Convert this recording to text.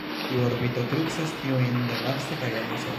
Tiu orbito krucas tiujn de Marso kaj Venuso.